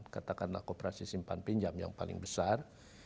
katakanlah kooperasi simpan pinjam yang paling besar